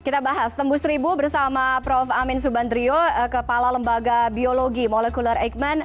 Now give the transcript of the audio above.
kita bahas tembus ribu bersama prof amin subandrio kepala lembaga biologi molekuler eijkman